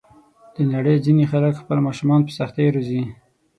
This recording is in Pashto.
د نړۍ ځینې خلک خپل ماشومان په سختۍ روزي.